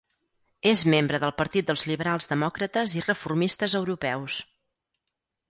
És membre del Partit dels Liberals Demòcrates i Reformistes Europeus.